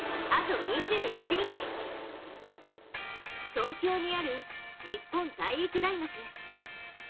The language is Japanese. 東京にある日本体育大学。